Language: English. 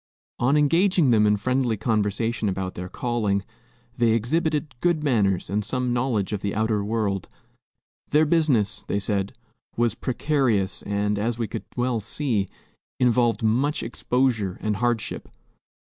On engaging them in friendly conversation about their calling, they exhibited good manners and some knowledge of the outer world. Their business, they said, was precarious and, as we could well see, involved much exposure and hardship.